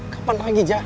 kapan lagi jack